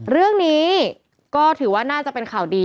เรื่องนี้ก็ถือว่าน่าจะเป็นข่าวดี